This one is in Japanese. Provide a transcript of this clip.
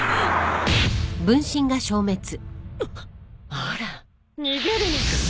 あら逃げるのかい？